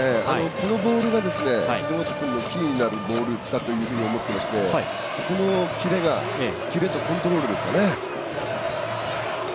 このボールが藤本君のキーになるボールだというふうに思っていまして、このキレとコントロールですかね。